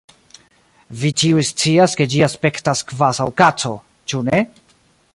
Vi ĉiuj scias ke ĝi aspektas kvazaŭ kaco, ĉu ne?